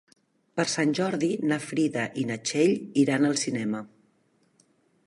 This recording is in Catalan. Per Sant Jordi na Frida i na Txell iran al cinema.